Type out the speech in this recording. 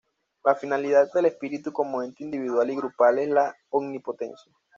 La finalidad del espíritu como ente individual y grupal es la omnipotencia.